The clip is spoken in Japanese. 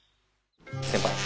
先輩。